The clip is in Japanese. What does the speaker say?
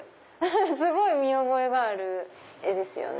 すごい見覚えがある絵ですよね。